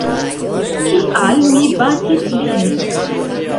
Kial mi batis lin?